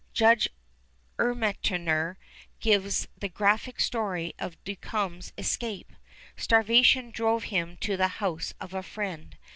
Judge Ermatinger gives the graphic story of Duncombe's escape. Starvation drove him to the house of a friend.